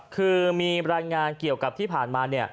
คือมีรายงานเกี่ยวกับที่ผ่านมาเนี่ย